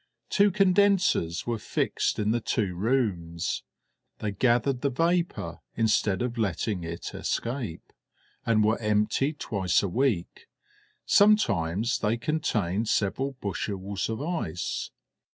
Two condensers were fixed in the two rooms; they gathered the vapour instead of letting it escape, and were emptied twice a week; sometimes they contained several bushels of ice.